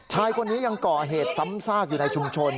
ชายคนนี้ยังก่อเหตุซ้ำซากอยู่ในชุมชน